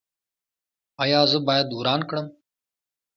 ایا زه باید وران کړم؟